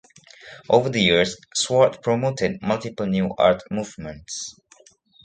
Over the years Swart promoted multiple new art movements.